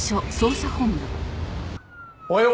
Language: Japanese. おはよう！